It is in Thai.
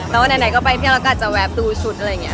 แต่ว่าไหนก็ไปเที่ยวแล้วก็อาจจะแวบดูชุดอะไรอย่างนี้